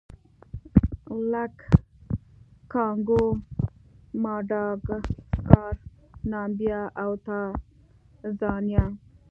لکه کانګو، ماداګاسکار، نامبیا او تانزانیا.